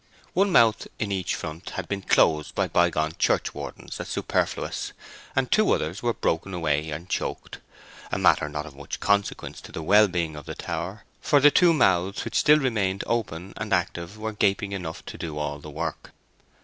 One mouth in each front had been closed by bygone church wardens as superfluous, and two others were broken away and choked—a matter not of much consequence to the wellbeing of the tower, for the two mouths which still remained open and active were gaping enough to do all the work.